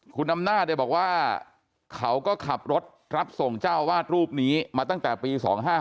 คุณอำนาจบอกว่าเขาก็ขับรถรับส่งเจ้าวาดรูปนี้มาตั้งแต่ปี๒๕๕